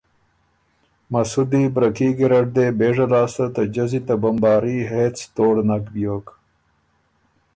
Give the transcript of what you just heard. مسودی برکي ګیرډ دې بېژه لاسته ته جزی ته بمباري هېڅ تهوړ نک بیوک۔